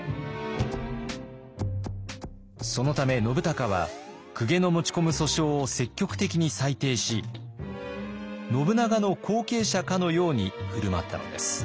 そのため信孝は公家の持ち込む訴訟を積極的に裁定し信長の後継者かのように振る舞ったのです。